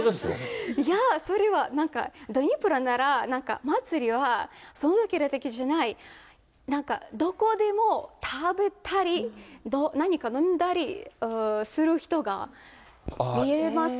いや、それは、ドニプロなら、なんか祭りは、そこだけじゃない、なんかどこでも食べたり、何か飲んだりする人が見えます。